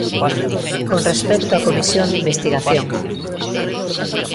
Con respecto á comisión de investigación.